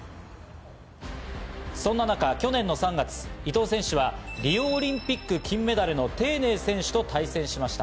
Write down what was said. そんな中、去年の３月、伊藤選手はリオオリンピック金メダルのテイ・ネイ選手と対戦しました。